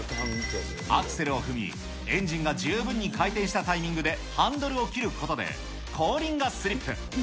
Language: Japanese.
アクセルを踏み、エンジンが十分に回転したタイミングでハンドルを切ることで、後輪がスリップ。